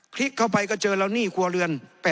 พลิกเข้าไปก็เจอแล้วหนี้ครัวเรือน